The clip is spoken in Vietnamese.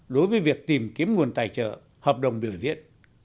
đối với việc tìm kiếm nguồn tài trợ hợp đồng biểu diễn